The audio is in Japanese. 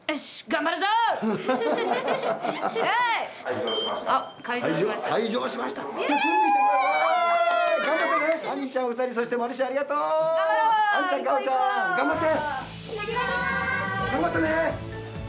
頑張ってね！